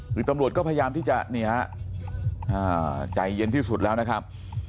คือตำรวจก็พยายามที่จะนี่ฮะใจเย็นที่สุดแล้วนะครับ